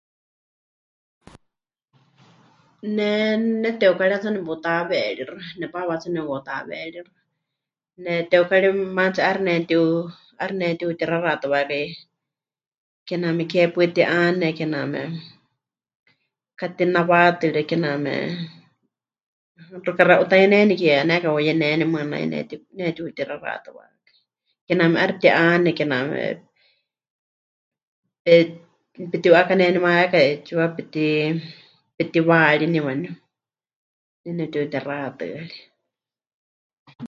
Ne neteukari hetsɨa neputaweeríxɨ, nepaapa hetsɨa nepɨka'utaweeríxɨ. Neteukari maatsi 'aixɨ pɨnetiu... 'aixɨ pɨnetiutixaxatɨwákai, kename ke paɨ ti'ane, kename katinawatɨre, kename xɨka 'axa 'utaineni ke 'anékɨa muyeneni mɨɨkɨ nai pɨneti... pɨneti'utixaxatɨwákai, kename 'aixɨ ti'ane, kename pe... petiu'akanenimayáka 'eetsiwa, peti... petiwaaríni waníu ne nepɨtiutixatɨ́arie.